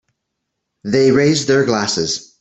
They raise their glasses.